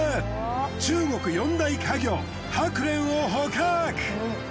中国４大家魚ハクレンを捕獲。